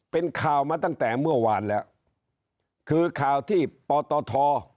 เป็นข่าวมาตั้งแต่เมื่อวานแล้วคือข่าวที่ปตท